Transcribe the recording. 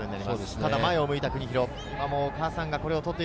ただ、前を向いた国広。